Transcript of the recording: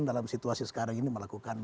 dalam situasi sekarang ini melakukan